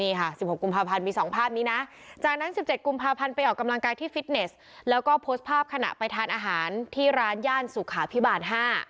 นี่ค่ะ๑๖กุมภาพันธ์มี๒ภาพนี้นะจากนั้น๑๗กุมภาพันธ์ไปออกกำลังกายที่ฟิตเนสแล้วก็โพสต์ภาพขณะไปทานอาหารที่ร้านย่านสุขาพิบาล๕